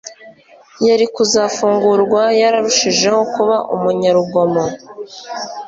yari kuzafungurwa yararushijeho kuba umunyarugomo